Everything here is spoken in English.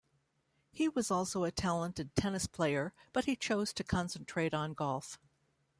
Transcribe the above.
He was also a talented tennis player, but he chose to concentrate on golf.